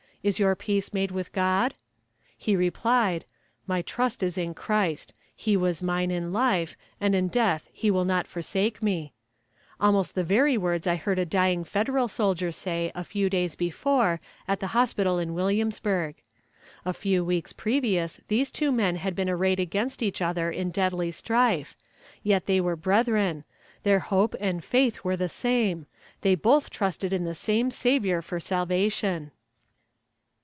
Is your peace made with God?" He replied, "My trust is in Christ; He was mine in life, and in death He will not forsake me" almost the very words I heard a dying Federal soldier say, a few days before, at the hospital in Williamsburg. A few weeks previous these two men had been arrayed against each other in deadly strife; yet they were brethren; their faith and hope were the same; they both trusted in the same Saviour for salvation.